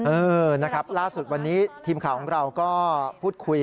เออนะครับล่าสุดวันนี้ทีมข่าวของเราก็พูดคุย